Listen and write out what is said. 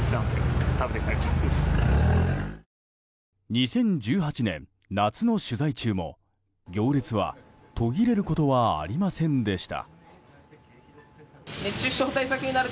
２０１８年夏の取材中も行列は途切れることはありませんでした。